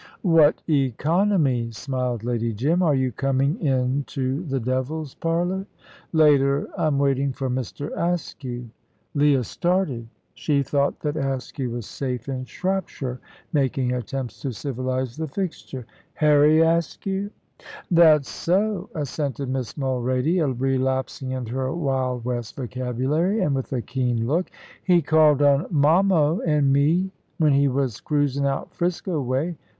"What economy!" smiled Lady Jim. "Are you coming into the 'devil's parlour'?" "Later. I'm waiting for Mr. Askew." Leah started. She thought that Askew was safe in Shropshire, making attempts to civilise the fixture. "Harry Askew?" "That's so," assented Miss Mulrady, relapsing into her Wild West vocabulary, and with a keen look. "He called on Mommo an' me, when he was cruisin' out 'Frisco way.